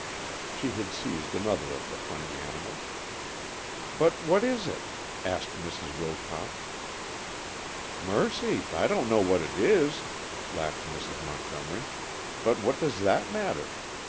She had seized another of the funny animals. "But what is it?" asked Mrs. Wilcox. "Mercy! I don't know what it is," laughed Mrs. Montgomery. "What does that matter?